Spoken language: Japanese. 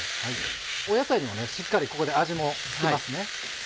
野菜にもしっかりここで味も付きますね。